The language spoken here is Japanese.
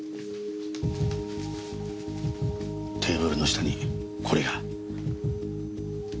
テーブルの下にこれが。